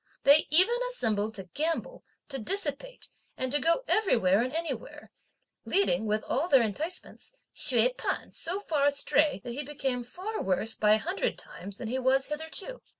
They even assembled to gamble, to dissipate and to go everywhere and anywhere; leading, with all their enticements, Hsüeh P'an so far astray, that he became far worse, by a hundred times, than he was hitherto.